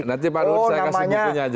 nanti pak nur saya kasih bukunya aja